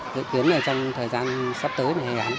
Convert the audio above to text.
được kiến trong thời gian sắp tới